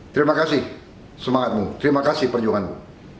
terima kasih semangatmu terima kasih perjuanganmu